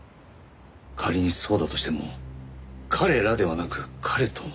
仮にそうだとしても「彼ら」ではなく「彼」と。